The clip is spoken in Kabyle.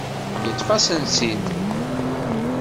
Yeṭṭef-asen-tt-id.